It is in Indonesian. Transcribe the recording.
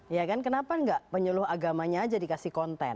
ya kan kenapa nggak penyuluh agamanya aja dikasih konten